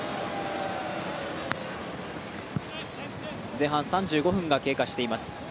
前半３５分が経過しています。